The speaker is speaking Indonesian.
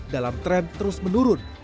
dalam tren terus menurun